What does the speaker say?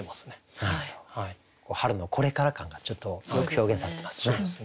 春のこれから感がちょっとよく表現されてますね。